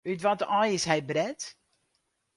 Ut wat aai is hy bret?